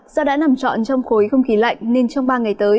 do đã nằm trọn trong khối không khí lạnh nên trong ba ngày tới